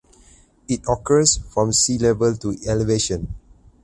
It occurs from sea level to elevation.